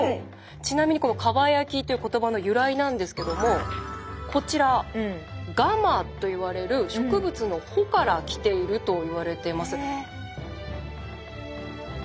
ちなみにこの蒲焼きっていう言葉の由来なんですけどもこちら蒲といわれる植物の穂からきているといわれてます。